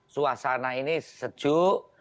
suasana ini sejuk